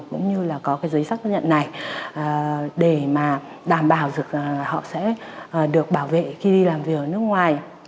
cũng như là có cái giấy xác nhận này để mà đảm bảo rằng là họ sẽ được bảo vệ khi đi làm việc ở nước ngoài